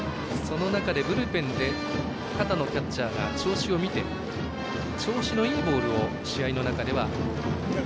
その中でブルペンで片野キャッチャーが調子を見て、調子のいいボールを試合の中では。